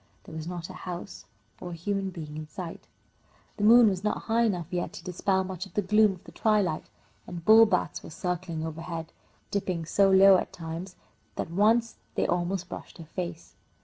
There was not a house or a human being in sight. The moon was not high enough yet to dispel much of the gloom of the twilight, and bullbats were circling overhead, dipping so low at times that once they almost brushed her face.